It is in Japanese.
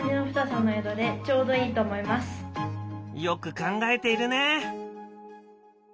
よく考えているね。